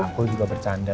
aku juga bercanda